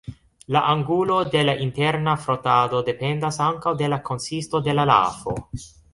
La angulo de la interna frotado dependas ankaŭ de la konsisto de la lafo.